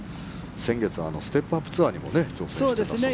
先月はステップアップツアーにも挑戦していたそうですね。